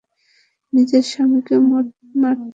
নিজের স্বামীকে মারতে চাও?